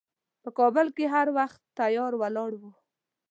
په کابل کې هر وخت تیار ولاړ و.